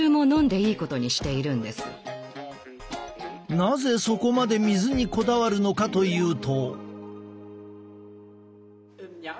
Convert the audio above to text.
なぜそこまで水にこだわるのかというと。